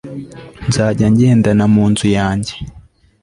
nzajya ngendana mu nzu yanjye